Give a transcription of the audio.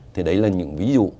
thì đấy là những ví dụ